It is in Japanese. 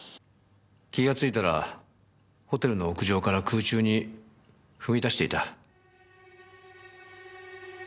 気がついたらホテルの屋上から空中に踏み出していた。